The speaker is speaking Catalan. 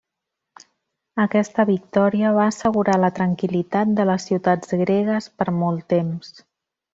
Aquesta victòria va assegurar la tranquil·litat de les ciutats gregues per molt temps.